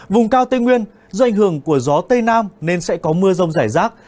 vùng cao tây nguyên do ảnh hưởng của gió tây nam nên sẽ có mưa rông rải rác